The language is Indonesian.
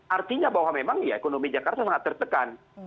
artinya bahwa memang ya ekonomi jakarta sangat tertekan